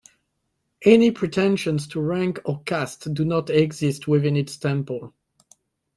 Any pretensions to rank or caste do not exist within its temple.